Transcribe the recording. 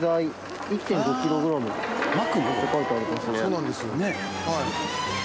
そうなんですよ。